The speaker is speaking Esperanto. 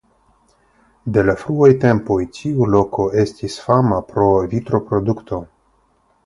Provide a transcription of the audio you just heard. De la fruaj tempoj tiu loko estis fama pro vitroprodukto.